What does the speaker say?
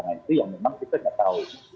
nah itu yang memang kita tidak tahu